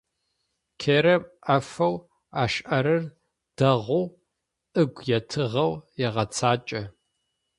Керэм ӏофэу ышӏэрэр дэгъоу ыгу етыгъэу егъэцакӏэ.